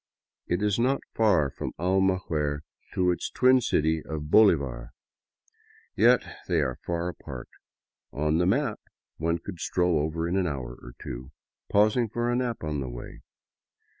It is not far from Almaguer to its twin city of Bolivar; yet they are far apart. On the map one could stroll over in an hour or two, pausing for a nap on the way.